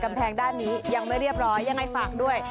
ทางด้านนี้ยังไม่เรียบร้อยยังไงฝากด้วย